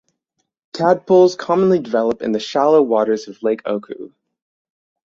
Tadpoles commonly develop in the shallow waters of Lake Oku.